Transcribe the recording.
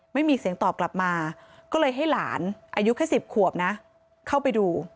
ไม่มีเสียงตอบกลับมาก็เลยให้หลานอายุแค่๑๐ขวบนะเข้าไปดู